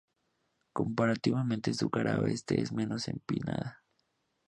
Comparativamente su cara oeste es menos empinada.